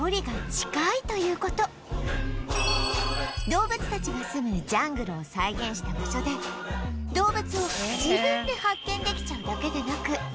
動物たちがすむジャングルを再現した場所で動物を自分で発見できちゃうだけでなく